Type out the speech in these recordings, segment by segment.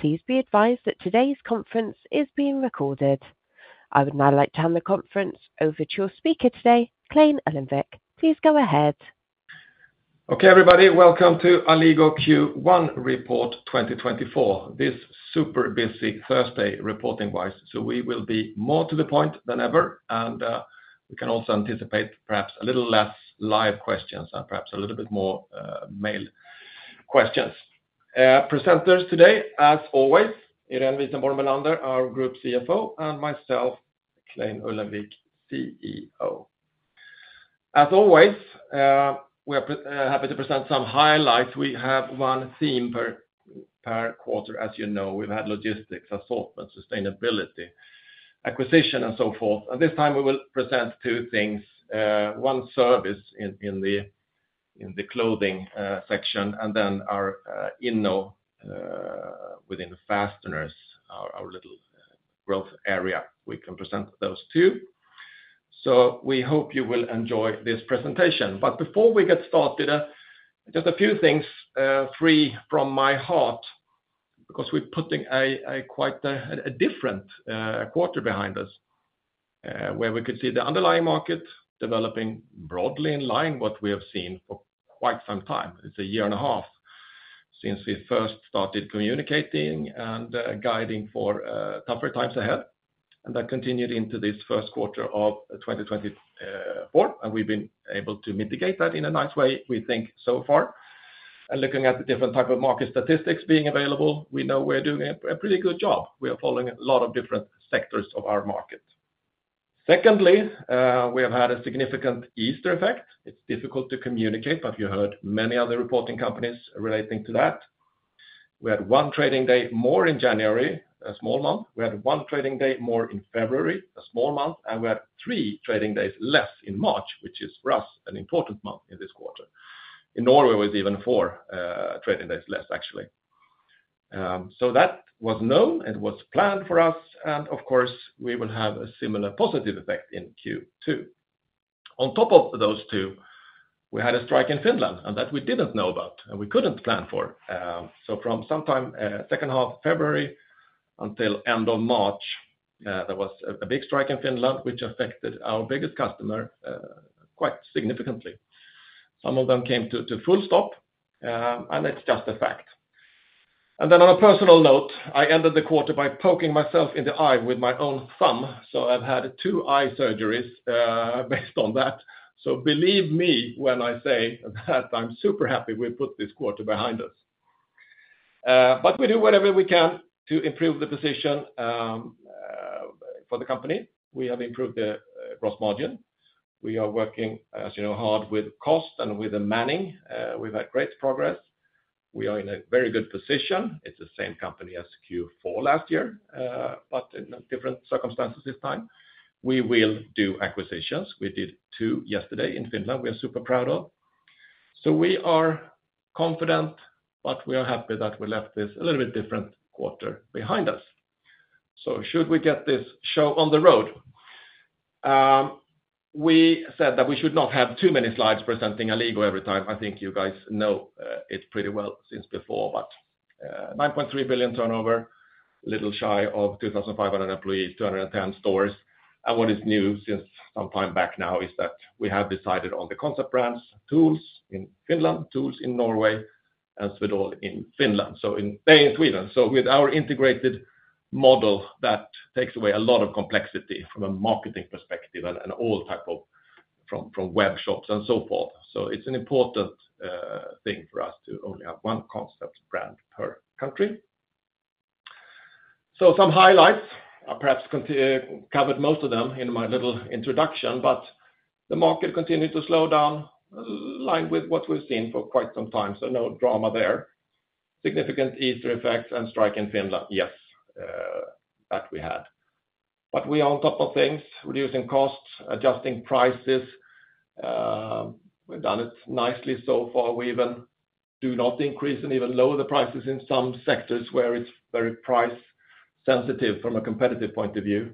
Please be advised that today's conference is being recorded. I would now like to hand the conference over to your speaker today, Clein Ullenvik. Please go ahead. Okay, everybody. Welcome to Alligo Q1 Report 2024, this super busy Thursday reporting-wise. So we will be more to the point than ever, and we can also anticipate perhaps a little less live questions and perhaps a little bit more mail questions. Presenters today, as always, Irene Wisenborn Bellander, our group CFO, and myself, Clein Ullenvik, CEO. As always, we are happy to present some highlights. We have one theme per quarter. As you know, we've had logistics, assortment, sustainability, acquisition, and so forth. And this time we will present two things: one service in the clothing section and then our Inno within Fasteners, our little growth area. We can present those two. So we hope you will enjoy this presentation. But before we get started, just a few things, three from my heart, because we're putting quite a different quarter behind us where we could see the underlying market developing broadly in line with what we have seen for quite some time. It's a year and a half since we first started communicating and guiding for tougher times ahead, and that continued into this first quarter of 2024. And we've been able to mitigate that in a nice way, we think, so far. And looking at the different type of market statistics being available, we know we're doing a pretty good job. We are following a lot of different sectors of our market. Secondly, we have had a significant Easter effect. It's difficult to communicate, but you heard many other reporting companies relating to that. We had 1 trading day more in January, a small month. We had 1 trading day more in February, a small month. We had 3 trading days less in March, which is for us an important month in this quarter. In Norway, it was even 4 trading days less, actually. So that was known. It was planned for us. And of course, we will have a similar positive effect in Q2. On top of those 2, we had a strike in Finland and that we didn't know about and we couldn't plan for. So from sometime second half of February until end of March, there was a big strike in Finland, which affected our biggest customer quite significantly. Some of them came to full stop, and it's just a fact. And then on a personal note, I ended the quarter by poking myself in the eye with my own thumb. So I've had 2 eye surgeries based on that. So believe me when I say that I'm super happy we put this quarter behind us. But we do whatever we can to improve the position for the company. We have improved the gross margin. We are working, as you know, hard with cost and with manning. We've had great progress. We are in a very good position. It's the same company as Q4 last year, but in different circumstances this time. We will do acquisitions. We did 2 yesterday in Finland. We are super proud of. So we are confident, but we are happy that we left this a little bit different quarter behind us. So should we get this show on the road? We said that we should not have too many slides presenting Alligo every time. I think you guys know it pretty well since before, but 9.3 billion turnover, a little shy of 2,500 employees, 210 stores. What is new since some time back now is that we have decided on the concept brands, TOOLS in Finland, TOOLS in Norway, and Swedol in Sweden. So with our integrated model that takes away a lot of complexity from a marketing perspective and all types of from webshops and so forth. So it's an important thing for us to only have one concept brand per country. So some highlights. I perhaps covered most of them in my little introduction, but the market continued to slow down, in line with what we've seen for quite some time. So no drama there. Significant Easter effects and strike in Finland. Yes, that we had. But we are on top of things, reducing costs, adjusting prices. We've done it nicely so far. We even do not increase and even lower the prices in some sectors where it's very price sensitive from a competitive point of view.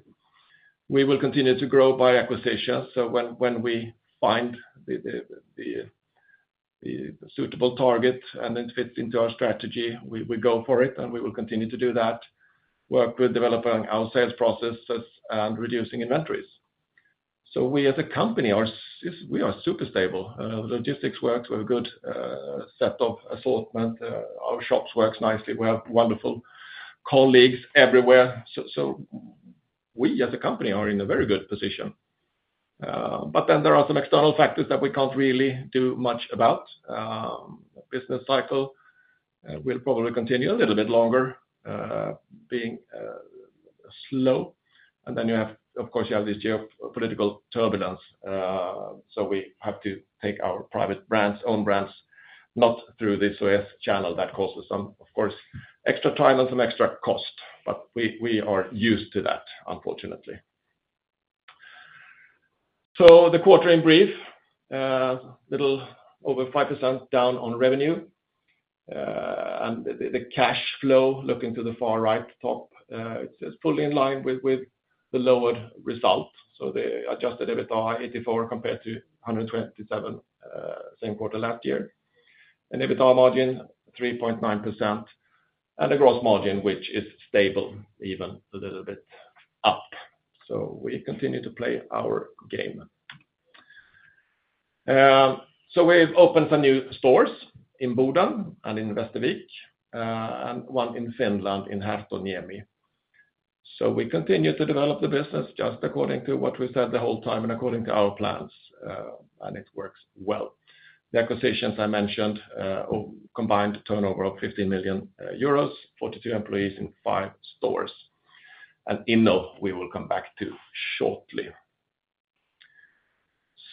We will continue to grow by acquisitions. When we find the suitable target and it fits into our strategy, we go for it, and we will continue to do that, work with developing our sales processes and reducing inventories. We as a company, we are super stable. Logistics works. We have a good set of assortment. Our shops work nicely. We have wonderful colleagues everywhere. We as a company are in a very good position. Then there are some external factors that we can't really do much about. Business cycle will probably continue a little bit longer, being slow. Then you have, of course, you have this geopolitical turbulence. So we have to take our private brands, own brands, not through this U.S. channel that causes some, of course, extra time and some extra cost. But we are used to that, unfortunately. So the quarter in brief, a little over 5% down on revenue. And the cash flow, looking to the far right top, it says fully in line with the lowered result. So the adjusted EBITDA high 84 compared to 127 same quarter last year. And EBITDA margin 3.9% and a gross margin which is stable, even a little bit up. So we continue to play our game. So we've opened some new stores in Bodø and in Västervik and one in Finland in Herttoniemi. So we continue to develop the business just according to what we said the whole time and according to our plans, and it works well. The acquisitions I mentioned, combined turnover of 15 million euros, 42 employees in five stores. INNO, we will come back to shortly.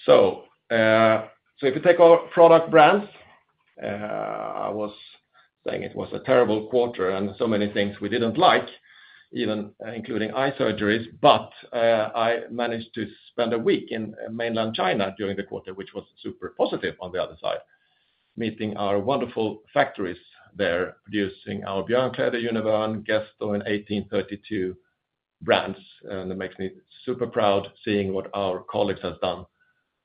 So if you take our product brands. I was saying it was a terrible quarter and so many things we didn't like, even including eye surgeries. But I managed to spend a week in mainland China during the quarter, which was super positive on the other side, meeting our wonderful factories there producing our Björnkläder, Univern, Gesto, INNO, 1832 brands. And it makes me super proud seeing what our colleagues have done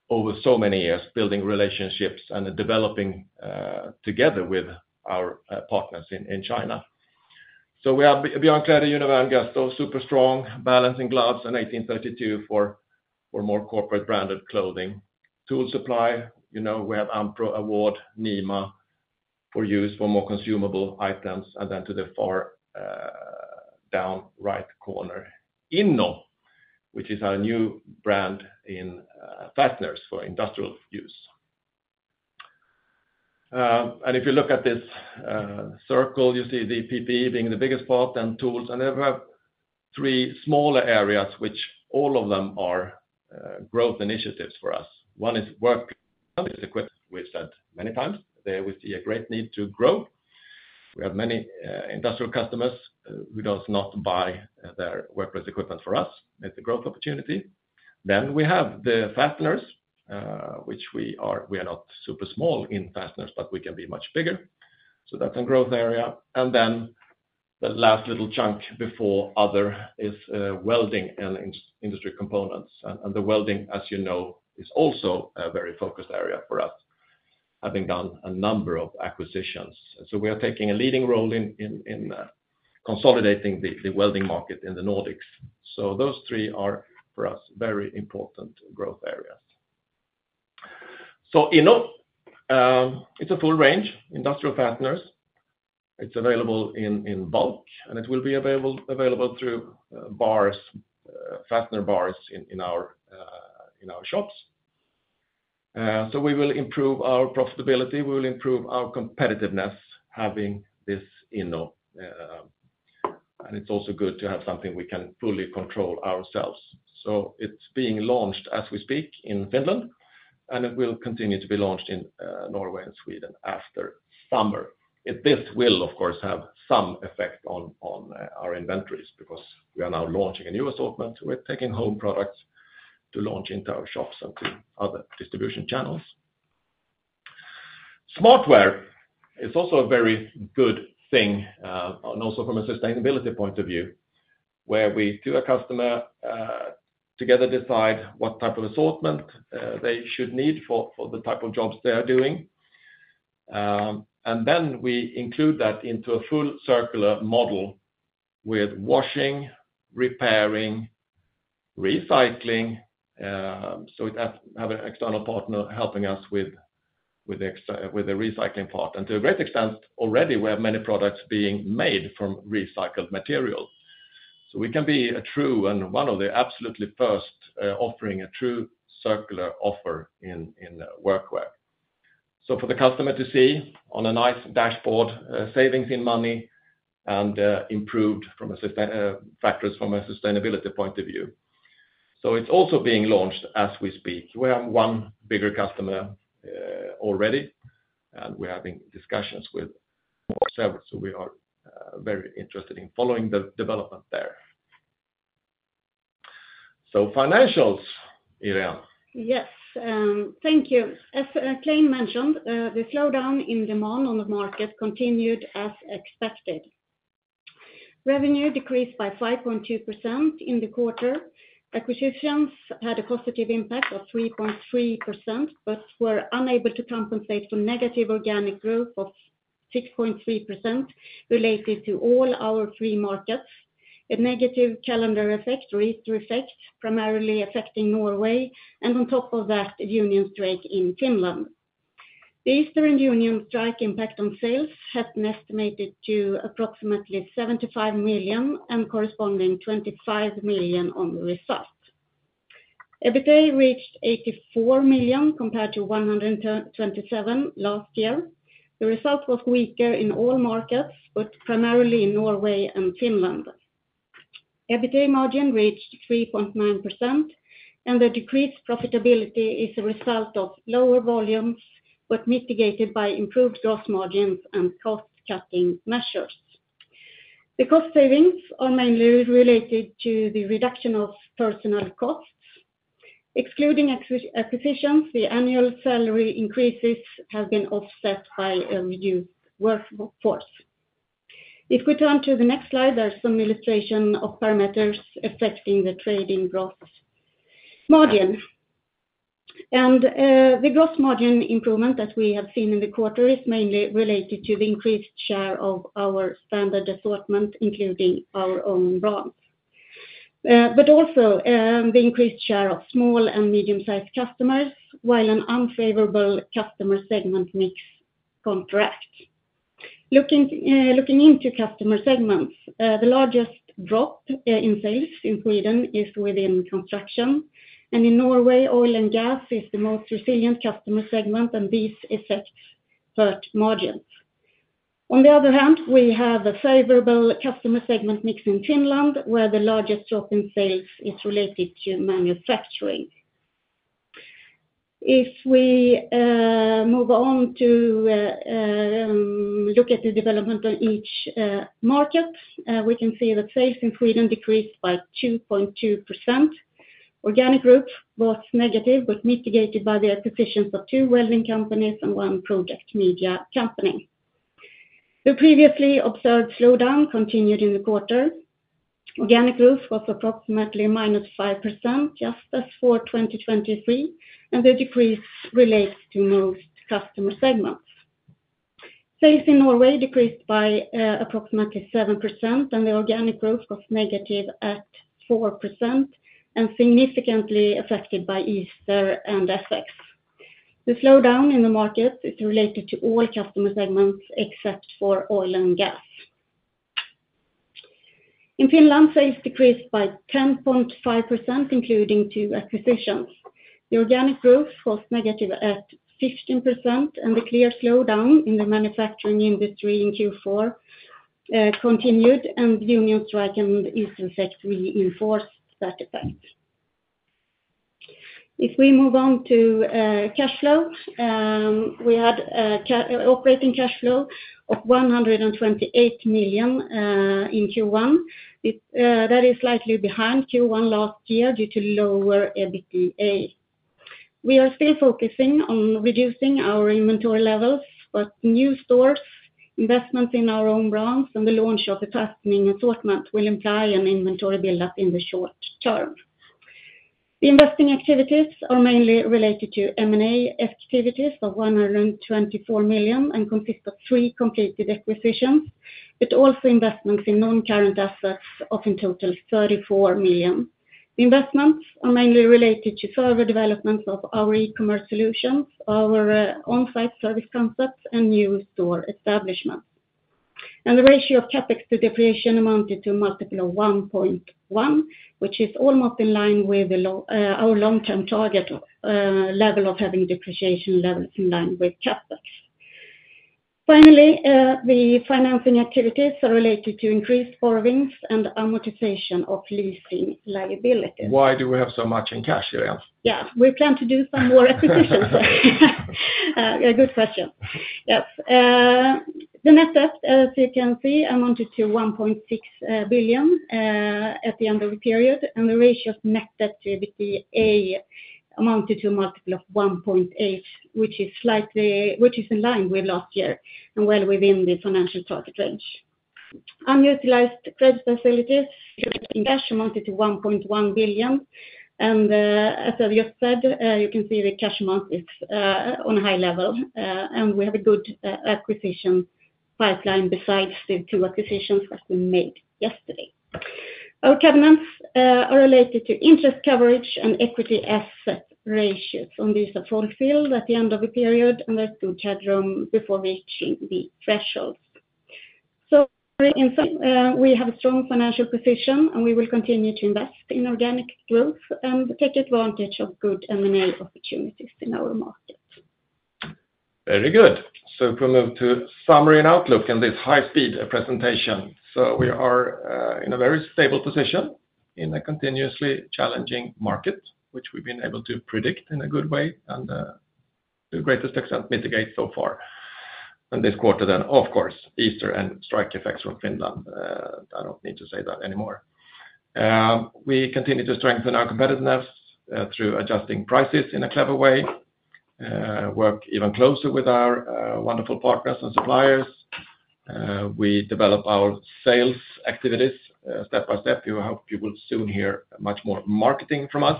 over so many years, building relationships and developing together with our partners in China. So we have Björnkläder, Univern, Gesto, super strong Balance gloves, INNO, 1832 for more corporate branded clothing, tool supply. We have AmPro, Award, Nima, 4USE for more consumable items. And then to the far down right corner, INNO, which is our new brand in fasteners for industrial use. And if you look at this circle, you see the PPE being the biggest part and tools. And then we have three smaller areas, which all of them are growth initiatives for us. One is workplace. We've said many times there we see a great need to grow. We have many industrial customers who do not buy their workplace equipment for us. It's a growth opportunity. Then we have the fasteners, which we are not super small in fasteners, but we can be much bigger. So that's a growth area. And then the last little chunk before other is welding and industry components. And the welding, as you know, is also a very focused area for us, having done a number of acquisitions. So we are taking a leading role in consolidating the welding market in the Nordics. So those three are for us very important growth areas. So INNO, it's a full range, industrial fasteners. It's available in bulk, and it will be available through bars, fastener bars in our shops. So we will improve our profitability. We will improve our competitiveness having this INNO. And it's also good to have something we can fully control ourselves. So it's being launched as we speak in Finland, and it will continue to be launched in Norway and Sweden after summer. This will, of course, have some effect on our inventories because we are now launching a new assortment. We're taking home products to launch into our shops and to other distribution channels. SmartWear is also a very good thing, also from a sustainability point of view, where we to a customer together decide what type of assortment they should need for the type of jobs they are doing. Then we include that into a full circular model with washing, repairing, recycling. So we have an external partner helping us with the recycling part. And to a great extent, already we have many products being made from recycled material. So we can be a true and one of the absolutely first offering a true circular offer in workwear. So for the customer to see on a nice dashboard, savings in money and improved from factors from a sustainability point of view. So it's also being launched as we speak. We have one bigger customer already, and we're having discussions with several. So we are very interested in following the development there. Financials, Irene. Yes. Thank you. As Clein mentioned, the slowdown in demand on the market continued as expected. Revenue decreased by 5.2% in the quarter. Acquisitions had a positive impact of 3.3% but were unable to compensate for negative organic growth of 6.3% related to all our three markets, a negative calendar effect or Easter effect primarily affecting Norway, and on top of that, the union strike in Finland. The union strike impact on sales has been estimated to approximately 75 million and corresponding 25 million on the result. EBITDA reached 84 million compared to 127 million last year. The result was weaker in all markets but primarily in Norway and Finland. EBITDA margin reached 3.9%, and the decreased profitability is a result of lower volumes but mitigated by improved gross margins and cost-cutting measures. The cost savings are mainly related to the reduction of personnel costs. Excluding acquisitions, the annual salary increases have been offset by a reduced workforce. If we turn to the next slide, there's some illustration of parameters affecting the trading gross margin. The gross margin improvement that we have seen in the quarter is mainly related to the increased share of our standard assortment, including our own brands, but also the increased share of small and medium-sized customers while an unfavorable customer segment mix contrasts. Looking into customer segments, the largest drop in sales in Sweden is within construction. In Norway, oil and gas is the most resilient customer segment, and these effects hurt margins. On the other hand, we have a favorable customer segment mix in Finland where the largest drop in sales is related to manufacturing. If we move on to look at the development on each market, we can see that sales in Sweden decreased by 2.2%. Organic growth was negative but mitigated by the acquisitions of two welding companies and one project media company. The previously observed slowdown continued in the quarter. Organic growth was approximately -5% just as for 2023, and the decrease relates to most customer segments. Sales in Norway decreased by approximately 7%, and the organic growth was negative at -4% and significantly affected by Easter and FX. The slowdown in the markets is related to all customer segments except for oil and gas. In Finland, sales decreased by 10.5%, including two acquisitions. The organic growth was negative at -15%, and the clear slowdown in the manufacturing industry in Q4 continued, and the union strike and Easter effect reinforced that effect. If we move on to cash flow, we had operating cash flow of 128 million in Q1. That is slightly behind Q1 last year due to lower EBITDA. We are still focusing on reducing our inventory levels, but new stores, investments in our own brands, and the launch of a fastening assortment will imply an inventory buildup in the short term. The investing activities are mainly related to M&A activities of 124 million and consist of three completed acquisitions but also investments in non-current assets of in total 34 million. The investments are mainly related to server developments of our e-commerce solutions, our on-site service concepts, and new store establishments. The ratio of CapEx to depreciation amounted to a multiple of 1.1x, which is almost in line with our long-term target level of having depreciation levels in line with CapEx. Finally, the financing activities are related to increased borrowings and amortization of leasing liabilities. Why do we have so much in cash, Irene? Yeah. We plan to do some more acquisitions. Good question. Yes. The net debt, as you can see, amounted to 1.6 billion at the end of the period, and the ratio of net debt to EBITDA amounted to a multiple of 1.8x, which is in line with last year and well within the financial target range. Unutilized credit facilities. Credit in cash amounted to 1.1 billion. And as I just said, you can see the cash amount is on a high level, and we have a good acquisition pipeline besides the two acquisitions that we made yesterday. Our covenants are related to interest coverage and equity asset ratios. And these are fulfilled at the end of the period, and there's good headroom before reaching the thresholds. In summary, we have a strong financial position, and we will continue to invest in organic growth and take advantage of good M&A opportunities in our market. Very good. So if we move to summary and outlook and this high-speed presentation. So we are in a very stable position in a continuously challenging market, which we've been able to predict in a good way and to the greatest extent mitigate so far in this quarter then. Of course, Easter and strike effects from Finland. I don't need to say that anymore. We continue to strengthen our competitiveness through adjusting prices in a clever way, work even closer with our wonderful partners and suppliers. We develop our sales activities step by step. You hope you will soon hear much more marketing from us.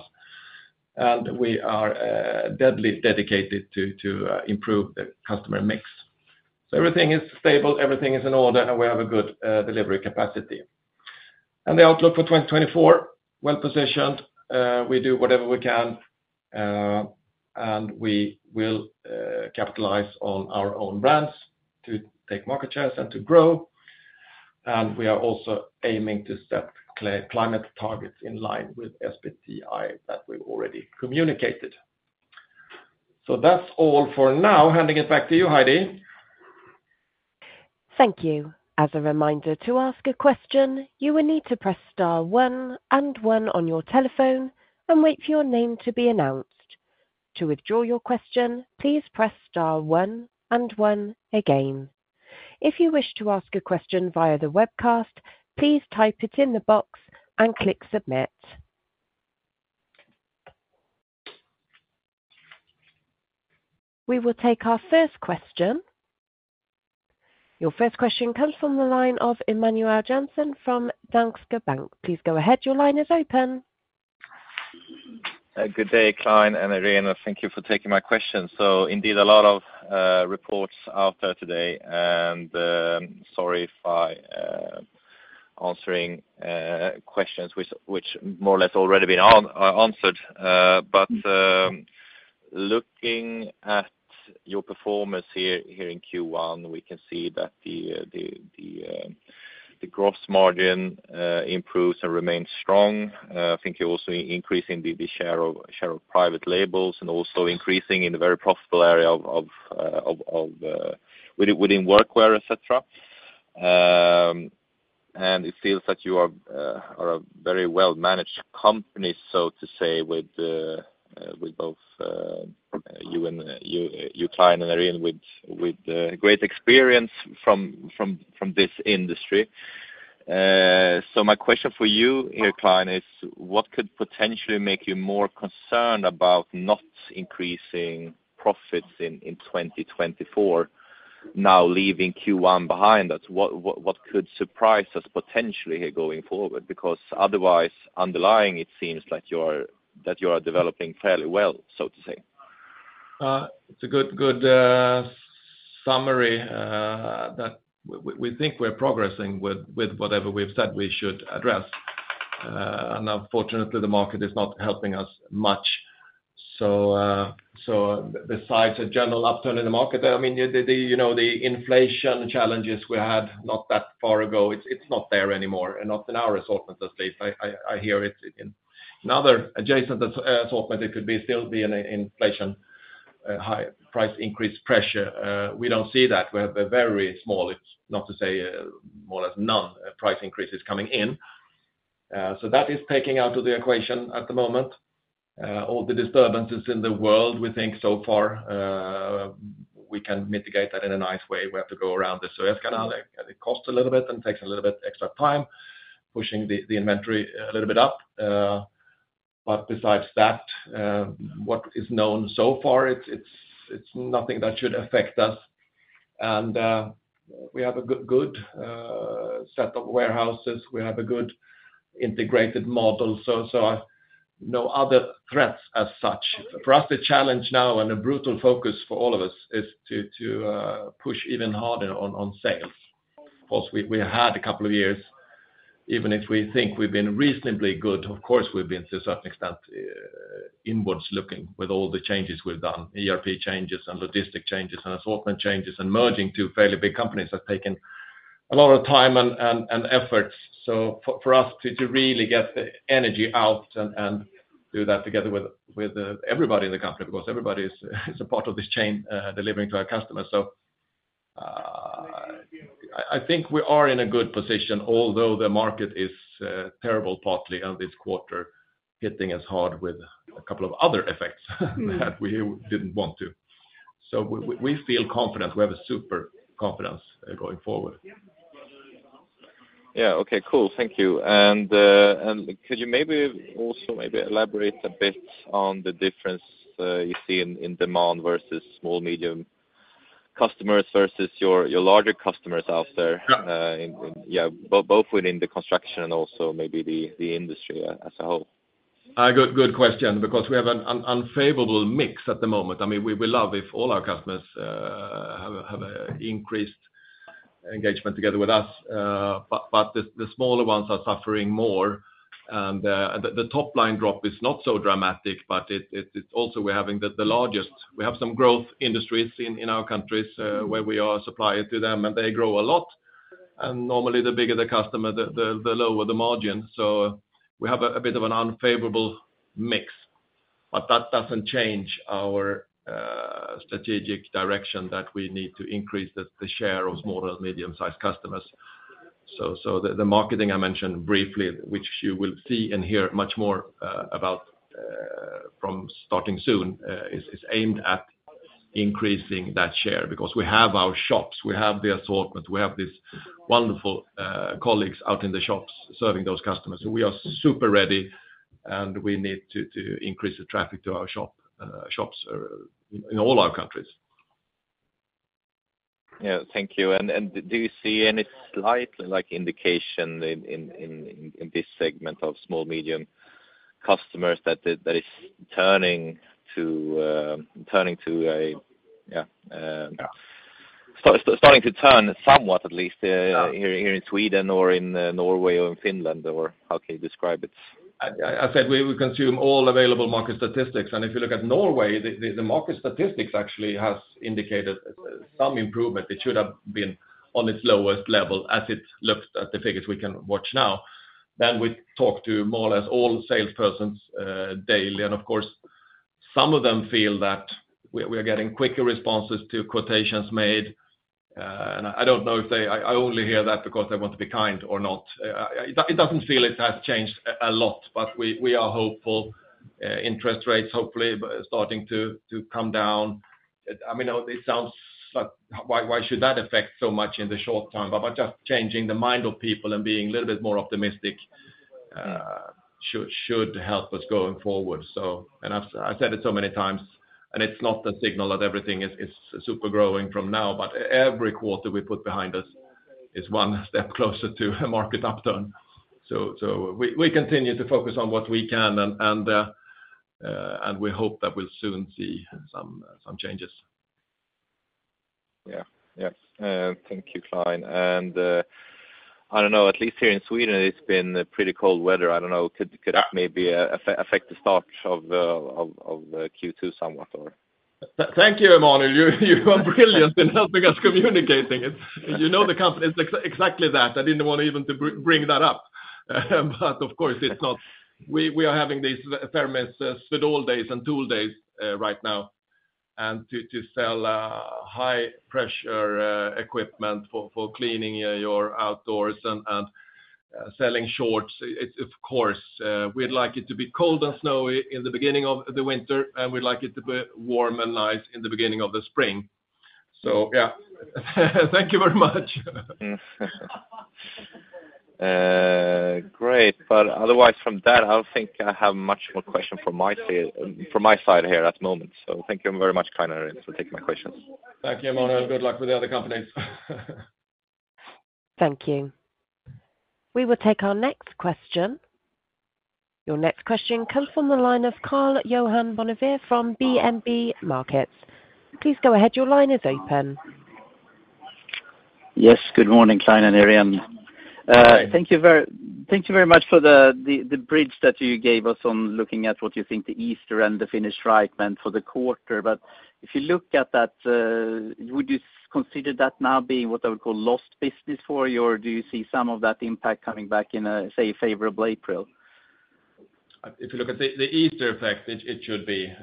And we are deadly dedicated to improve the customer mix. So everything is stable. Everything is in order, and we have a good delivery capacity. And the outlook for 2024, well positioned. We do whatever we can, and we will capitalize on our own brands to take market shares and to grow. And we are also aiming to set climate targets in line with SBTi that we've already communicated. So that's all for now. Handing it back to you, Heidi. Thank you. As a reminder, to ask a question, you will need to press star one and one on your telephone and wait for your name to be announced. To withdraw your question, please press star one and one again. If you wish to ask a question via the webcast, please type it in the box and click submit. We will take our first question. Your first question comes from the line of Emanuel Jansson from Danske Bank. Please go ahead. Your line is open. Good day, Clein and Irene. Thank you for taking my question. Indeed, a lot of reports out there today. Sorry if I'm answering questions which more or less already been answered. Looking at your performance here in Q1, we can see that the gross margin improves and remains strong. I think you're also increasing the share of private labels and also increasing in the very profitable area within Workwear, etc. It feels that you are a very well-managed company, so to say, with both you, Clein, and Irene with great experience from this industry. My question for you here, Clein, is what could potentially make you more concerned about not increasing profits in 2024, now leaving Q1 behind us? What could surprise us potentially here going forward? Because otherwise, underlying, it seems that you are developing fairly well, so to say. It's a good summary that we think we're progressing with whatever we've said we should address. Unfortunately, the market is not helping us much. Besides a general upturn in the market, I mean, the inflation challenges we had not that far ago, it's not there anymore, not in our assortment at least. I hear it in other adjacent assortments. It could still be an inflation price increase pressure. We don't see that. We have a very small, not to say more or less none, price increase is coming in. That is taking out of the equation at the moment. All the disturbances in the world, we think so far, we can mitigate that in a nice way. We have to go around the Suez Canal. It costs a little bit and takes a little bit extra time pushing the inventory a little bit up. But besides that, what is known so far, it's nothing that should affect us. And we have a good set of warehouses. We have a good integrated model. So no other threats as such. For us, the challenge now and a brutal focus for all of us is to push even harder on sales. Of course, we had a couple of years. Even if we think we've been reasonably good, of course, we've been to a certain extent inward looking with all the changes we've done, ERP changes and logistics changes and assortment changes and merging two fairly big companies that have taken a lot of time and efforts. So for us to really get the energy out and do that together with everybody in the company because everybody is a part of this chain delivering to our customers. I think we are in a good position, although the market is terrible partly on this quarter hitting us hard with a couple of other effects that we didn't want to. We feel confident. We have a super confidence going forward. Yeah. Okay. Cool. Thank you. And could you maybe also maybe elaborate a bit on the difference you see in demand versus small-medium customers versus your larger customers out there? Yeah. Both within the construction and also maybe the industry as a whole. Good question because we have an unfavorable mix at the moment. I mean, we love if all our customers have an increased engagement together with us. But the smaller ones are suffering more. And the top-line drop is not so dramatic, but also we're having the largest we have some growth industries in our countries where we are suppliers to them, and they grow a lot. And normally, the bigger the customer, the lower the margin. So we have a bit of an unfavorable mix. But that doesn't change our strategic direction that we need to increase the share of smaller and medium-sized customers. So the marketing I mentioned briefly, which you will see and hear much more about from starting soon, is aimed at increasing that share because we have our shops. We have the assortment. We have these wonderful colleagues out in the shops serving those customers. We are super ready, and we need to increase the traffic to our shops in all our countries. Yeah. Thank you. And do you see any slight indication in this segment of small-medium customers that is turning to a yeah. Starting to turn somewhat, at least, here in Sweden or in Norway or in Finland? Or how can you describe it? I said we consume all available market statistics. And if you look at Norway, the market statistics actually have indicated some improvement. It should have been on its lowest level as it looked at the figures we can watch now. Then we talk to more or less all salespersons daily. And of course, some of them feel that we are getting quicker responses to quotations made. And I don't know if they I only hear that because they want to be kind or not. It doesn't feel it has changed a lot, but we are hopeful. Interest rates, hopefully, starting to come down. I mean, it sounds like why should that affect so much in the short term? But just changing the mind of people and being a little bit more optimistic should help us going forward. I've said it so many times, and it's not a signal that everything is super growing from now. But every quarter we put behind us is one step closer to a market upturn. We continue to focus on what we can, and we hope that we'll soon see some changes. Yeah. Yes. Thank you, Clein. I don't know. At least here in Sweden, it's been pretty cold weather. I don't know. Could that maybe affect the start of Q2 somewhat, or? Thank you, Emanuel. You are brilliant in helping us communicate it. You know the company. It's exactly that. I didn't want to even bring that up. But of course, we are having these experiments with old days and tools days right now and to sell high-pressure equipment for cleaning your outdoors and selling shorts. Of course, we'd like it to be cold and snowy in the beginning of the winter, and we'd like it to be warm and nice in the beginning of the spring. So yeah. Thank you very much. Great. But otherwise, from that, I don't think I have much more questions from my side here at the moment. So thank you very much, Clein, Irene, for taking my questions. Thank you, Emanuel. Good luck with the other companies. Thank you. We will take our next question. Your next question comes from the line of Karl-Johan Bonnevier from DNB Markets. Please go ahead. Your line is open. Yes. Good morning, Clein and Irene. Thank you very much for the bridge that you gave us on looking at what you think the Easter and the Finnish strike meant for the quarter. But if you look at that, would you consider that now being what I would call lost business for you, or do you see some of that impact coming back in, say, a favorable April? If you look at the Easter effect, it should be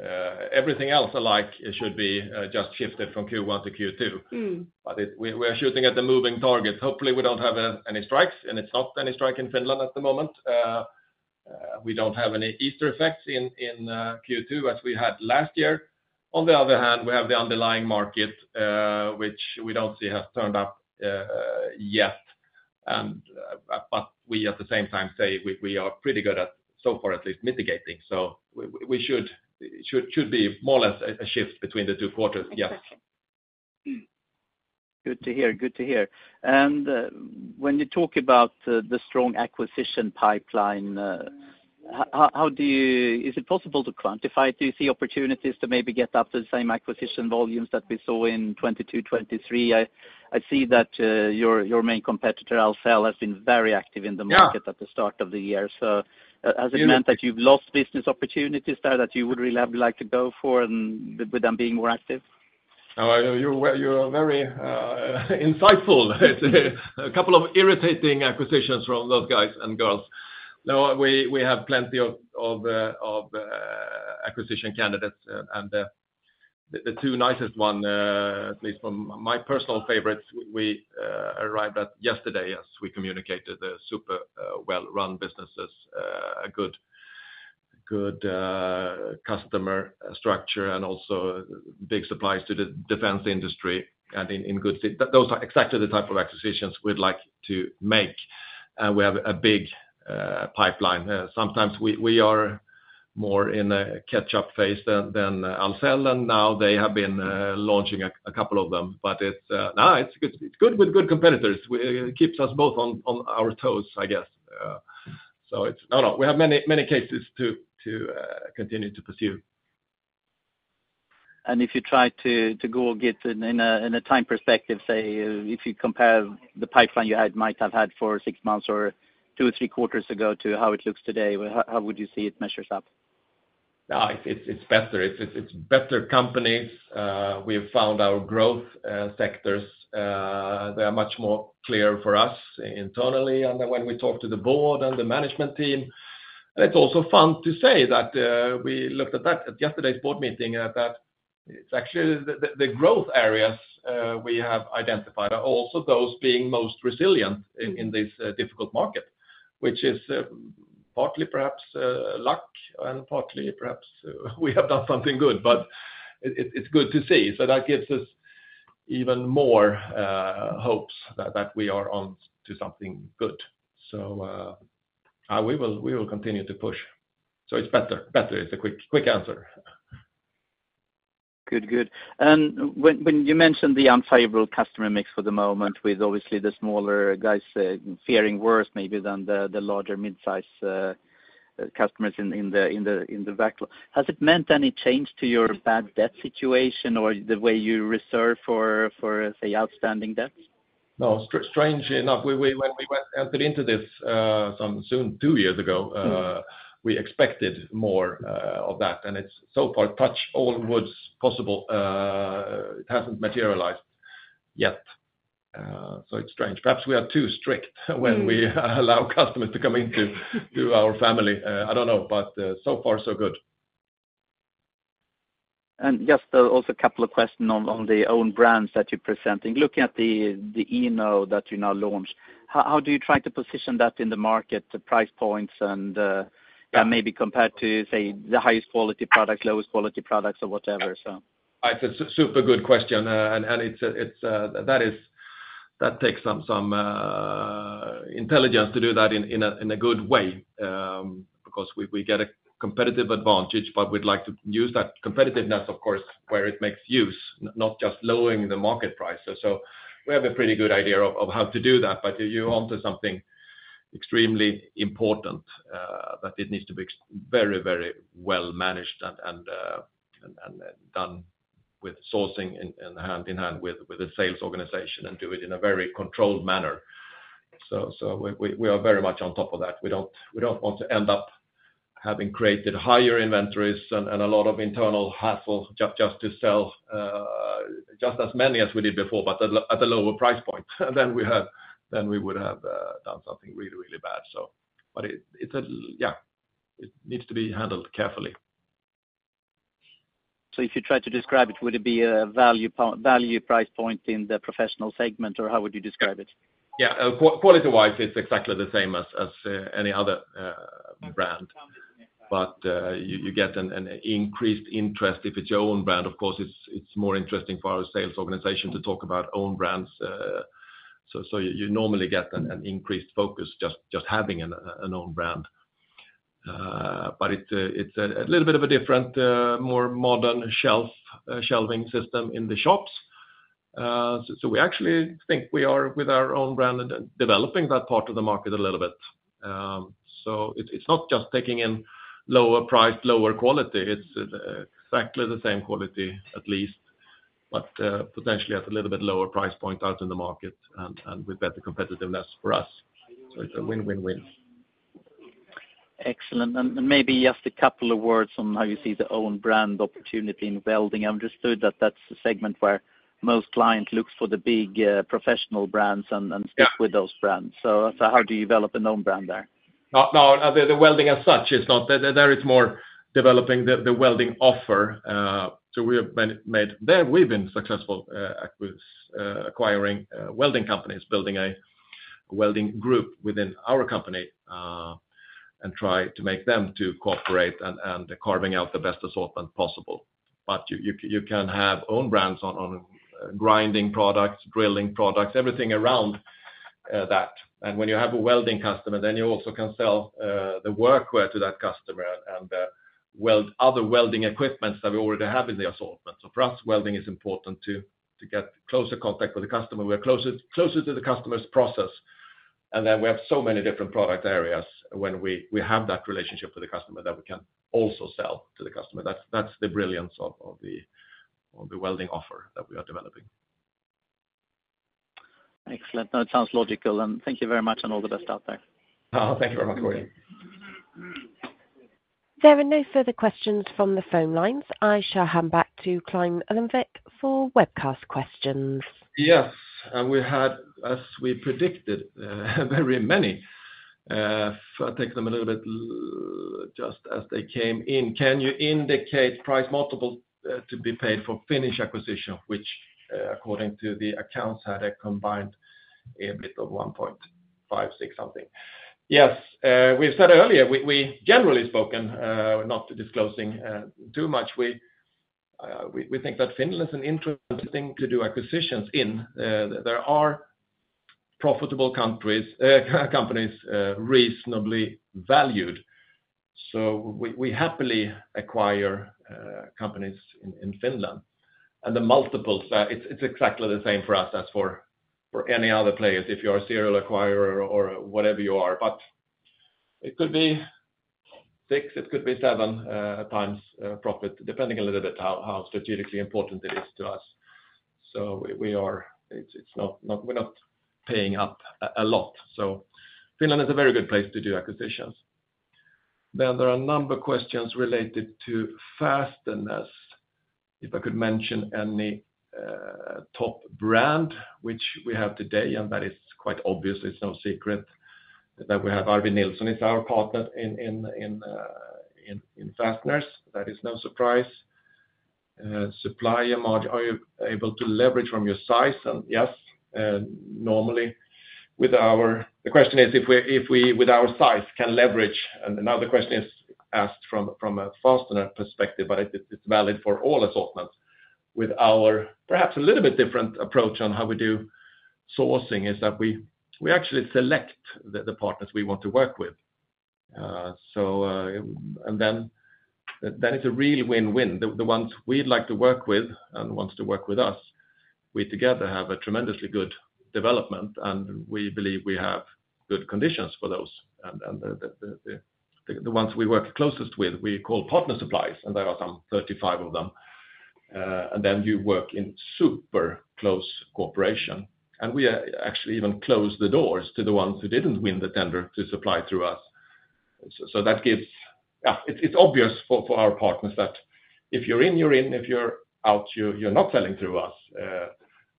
everything else alike should be just shifted from Q1 to Q2. But we are shooting at the moving targets. Hopefully, we don't have any strikes, and it's not any strike in Finland at the moment. We don't have any Easter effects in Q2 as we had last year. On the other hand, we have the underlying market, which we don't see has turned up yet. But we, at the same time, say we are pretty good at, so far at least, mitigating. So it should be more or less a shift between the two quarters. Yes. Good to hear. Good to hear. And when you talk about the strong acquisition pipeline, is it possible to quantify it? Do you see opportunities to maybe get up to the same acquisition volumes that we saw in 2022, 2023? I see that your main competitor, Ahlsell, has been very active in the market at the start of the year. So has it meant that you've lost business opportunities there that you would really have liked to go for with them being more active? No, you're very insightful. A couple of irritating acquisitions from those guys and girls. No, we have plenty of acquisition candidates. And the two nicest ones, at least from my personal favorites, we arrived at yesterday as we communicated the super well-run businesses, good customer structure, and also big supplies to the defense industry and in good things. Those are exactly the type of acquisitions we'd like to make. And we have a big pipeline. Sometimes we are more in a catch-up phase than Ahlsell. And now they have been launching a couple of them. But no, it's good with good competitors. It keeps us both on our toes, I guess. So no, no, we have many cases to continue to pursue. If you try to go get in a time perspective, say, if you compare the pipeline you might have had for six months or two or three quarters ago to how it looks today, how would you see it measures up? No, it's better. It's better companies. We have found our growth sectors. They are much more clear for us internally when we talk to the board and the management team. It's also fun to say that we looked at that at yesterday's board meeting and that actually the growth areas we have identified are also those being most resilient in this difficult market, which is partly perhaps luck and partly perhaps we have done something good. But it's good to see. So that gives us even more hopes that we are on to something good. So we will continue to push. So it's better. Better is a quick answer. Good. Good. When you mentioned the unfavorable customer mix for the moment with obviously the smaller guys fearing worse maybe than the larger midsize customers in the backlog, has it meant any change to your bad debt situation or the way you reserve for, say, outstanding debts? No, strangely enough, when we entered into this soon, 2 years ago, we expected more of that. It's so far touched all woods possible. It hasn't materialized yet. It's strange. Perhaps we are too strict when we allow customers to come into our family. I don't know. So far, so good. Just also a couple of questions on the own brands that you're presenting. Looking at the INNO that you now launch, how do you try to position that in the market price points and maybe compared to, say, the highest quality products, lowest quality products, or whatever, so? It's a super good question. That takes some intelligence to do that in a good way because we get a competitive advantage. We'd like to use that competitiveness, of course, where it makes use, not just lowering the market price. We have a pretty good idea of how to do that. You're on to something extremely important that it needs to be very, very well managed and done with sourcing hand in hand with the sales organization and do it in a very controlled manner. We are very much on top of that. We don't want to end up having created higher inventories and a lot of internal hassle just to sell just as many as we did before, but at a lower price point than we would have done. Something really, really bad. Yeah, it needs to be handled carefully. If you tried to describe it, would it be a value price point in the professional segment, or how would you describe it? Yeah. Quality-wise, it's exactly the same as any other brand. But you get an increased interest if it's your own brand. Of course, it's more interesting for our sales organization to talk about own brands. So you normally get an increased focus just having an own brand. But it's a little bit of a different, more modern shelving system in the shops. So we actually think we are with our own brand developing that part of the market a little bit. So it's not just taking in lower priced, lower quality. It's exactly the same quality, at least, but potentially at a little bit lower price point out in the market and with better competitiveness for us. So it's a win-win-win. Excellent. Maybe just a couple of words on how you see the own brand opportunity in welding. I understood that that's the segment where most clients look for the big professional brands and stick with those brands. How do you develop an own brand there? No, the welding as such, it's not. There, it's more developing the welding offer. So we have made. There, we've been successful acquiring welding companies, building a welding group within our company, and try to make them to cooperate and carving out the best assortment possible. But you can have own brands on grinding products, drilling products, everything around that. And when you have a welding customer, then you also can sell the workwear to that customer and other welding equipments that we already have in the assortment. So for us, welding is important to get closer contact with the customer. We are closer to the customer's process. And then we have so many different product areas when we have that relationship with the customer that we can also sell to the customer. That's the brilliance of the welding offer that we are developing. Excellent. No, it sounds logical. And thank you very much, and all the best out there. Thank you very much, William. There are no further questions from the phone lines. I shall hand back to Clein Ullenvik for webcast questions. Yes. And we had, as we predicted, very many. I'll take them a little bit just as they came in. Can you indicate price multiples to be paid for Finnish acquisition, which, according to the accounts, had a combined EBIT of 1.56? Yes. We've said earlier, generally speaking, not disclosing too much, we think that Finland is an interesting place to do acquisitions in. There are profitable companies reasonably valued. So we happily acquire companies in Finland. And the multiples, it's exactly the same for us as for any other players if you are a serial acquirer or whatever you are. But it could be 6x. It could be 7x profit, depending a little bit how strategically important it is to us. So we're not paying up a lot. So Finland is a very good place to do acquisitions. Then there are a number of questions related to fasteners. If I could mention any top brand, which we have today, and that is quite obvious. It's no secret that we have Arvid Nilsson. He's our partner in fasteners. That is no surprise. Supplier margin, are you able to leverage from your size? And yes, normally, with our the question is if we, with our size, can leverage. And another question is asked from a fastener perspective, but it's valid for all assortments. With our perhaps a little bit different approach on how we do sourcing is that we actually select the partners we want to work with. And then it's a real win-win. The ones we'd like to work with and the ones to work with us, we together have a tremendously good development. And we believe we have good conditions for those. The ones we work closest with, we call partner suppliers, and there are some 35 of them. Then you work in super close cooperation. And we actually even closed the doors to the ones who didn't win the tender to supply through us. So that gives yeah, it's obvious for our partners that if you're in, you're in. If you're out, you're not selling through us.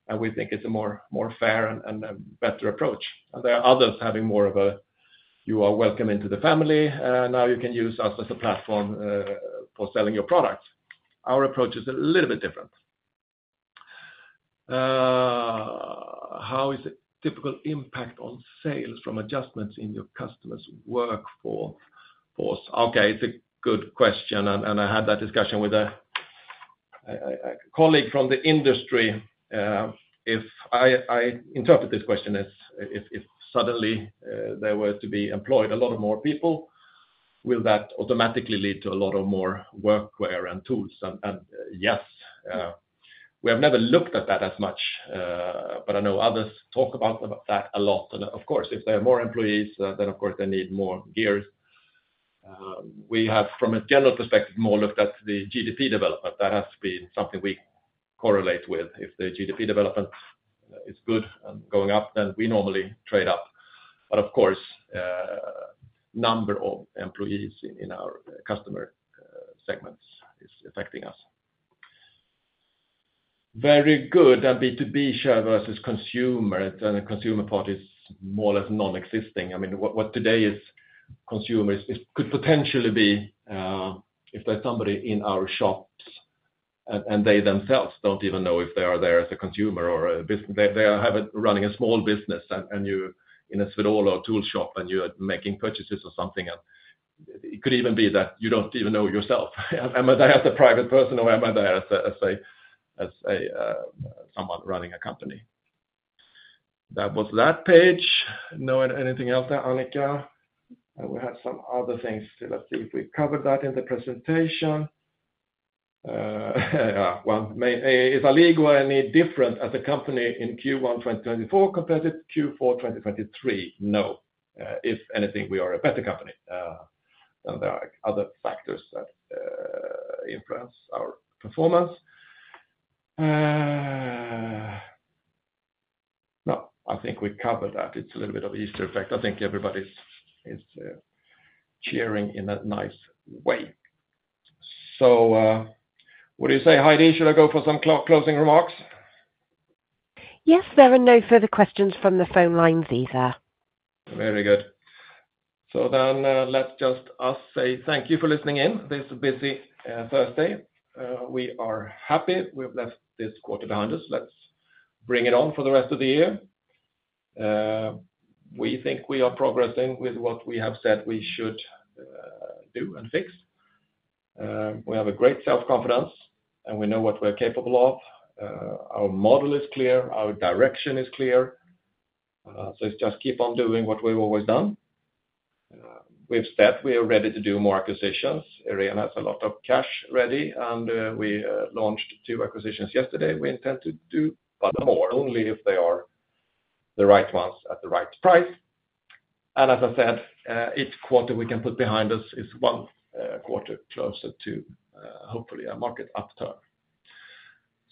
And we think it's a more fair and better approach. And there are others having more of a, "You are welcome into the family. Now you can use us as a platform for selling your products." Our approach is a little bit different. How is a typical impact on sales from adjustments in your customers' work force? Okay. It's a good question. I had that discussion with a colleague from the industry. If I interpret this question as if suddenly there were to be employed a lot of more people, will that automatically lead to a lot of more workwear and tools? And yes. We have never looked at that as much. But I know others talk about that a lot. And of course, if there are more employees, then, of course, they need more gears. We have, from a general perspective, more looked at the GDP development. That has been something we correlate with. If the GDP development is good and going up, then we normally trade up. But of course, the number of employees in our customer segments is affecting us. Very good. And B2B share versus consumer, the consumer part is more or less nonexistent. I mean, what today is consumer could potentially be if there's somebody in our shops and they themselves don't even know if they are there as a consumer or a business they have running a small business and you're in a Swedol or TOOLS shop and you're making purchases or something. And it could even be that you don't even know yourself. Am I there as a private person, or am I there as someone running a company? That was that page. No, anything else there, Annika? We had some other things to see if we covered that in the presentation. Yeah. Well, is Alligo any different as a company in Q1 2024 compared to Q4 2023? No. If anything, we are a better company. And there are other factors that influence our performance. No, I think we covered that. It's a little bit of Easter egg. I think everybody's cheering in a nice way. So what do you say, Heidi? Should I go for some closing remarks? Yes. There are no further questions from the phone lines either. Very good. So then let's just say thank you for listening in. This is a busy Thursday. We are happy. We've left this quarter behind us. Let's bring it on for the rest of the year. We think we are progressing with what we have said we should do and fix. We have great self-confidence, and we know what we're capable of. Our model is clear. Our direction is clear. So it's just keep on doing what we've always done. With that, we are ready to do more acquisitions. Irene has a lot of cash ready. And we launched two acquisitions yesterday. We intend to do more. Only if they are the right ones at the right price. And as I said, each quarter we can put behind us is one quarter closer to, hopefully, a market upturn.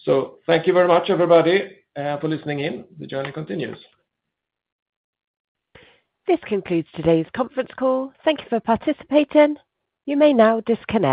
So thank you very much, everybody, for listening in. The journey continues. This concludes today's conference call. Thank you for participating. You may now disconnect.